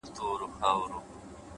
وخت د هر عمل نښه پرېږدي